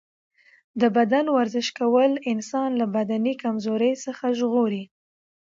د بدن ورزش کول انسان له بدني کمزورۍ څخه ژغوري.